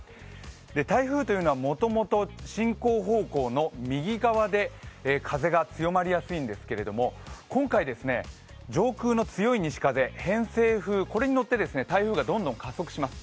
台風というのはもともと進行方向の右側で風が強まりやすいんですけど今回上空の強い西風偏西風にのって、台風がどんどん加速します。